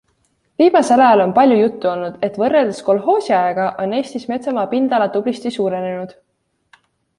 Viimasel ajal on palju juttu olnud, et võrreldes kolhoosiajaga on Eestis metsamaa pindala tublisti suurenenud.